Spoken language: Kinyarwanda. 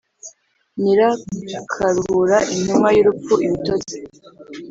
Nyirakaruhura intumwa y'urupfu-Ibitotsi